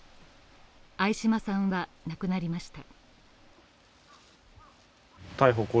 相嶋さんは亡くなりました。